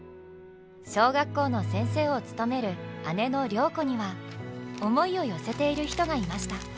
小学校の先生を務める姉の良子には思いを寄せている人がいました。